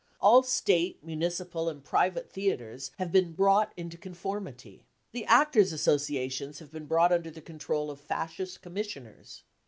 All State, municipal and private theatres have been cc brought into conformity." The Actors' Associations have been brought under the control of Fascist commissioners.